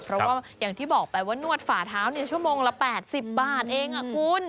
เพราะว่าอย่างที่บอกไปว่านวดฝ่าเท้าชั่วโมงละ๘๐บาทเองคุณ